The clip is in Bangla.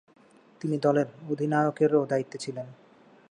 তিনি দলের অধিনায়কেরও দায়িত্বে ছিলেন।